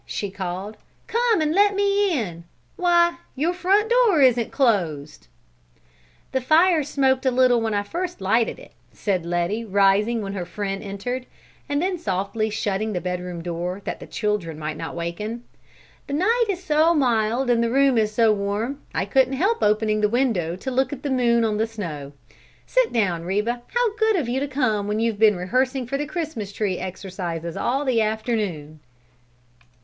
she called. "Come and let me in! Why, your front door isn't closed!" "The fire smoked a little when I first lighted it," said Letty, rising when her friend entered, and then softly shutting the bedroom door that the children might not waken. "The night is so mild and the room so warm, I couldn't help opening the window to look at the moon on the snow. Sit down, Reba! How good of you to come when you've been rehearsing for the Christmas Tree exercises all the afternoon."